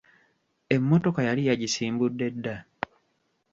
Emmotokka yali yagisimbudde dda?